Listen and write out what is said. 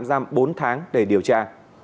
giam bốn tháng để điều tra